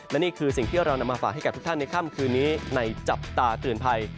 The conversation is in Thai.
และนี่คือสิ่งที่เรานำมาฝากให้กับทุกท่านในค่ำคืนนี้ในจับตาเตือนภัย